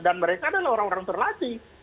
dan mereka adalah orang orang terlatih